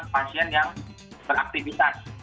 pasien yang beraktivitas